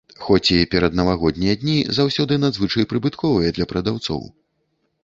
Хоць і пераднавагоднія дні заўсёды надзвычай прыбытковыя для прадаўцоў.